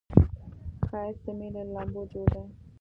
ښایست د مینې له لمبو جوړ دی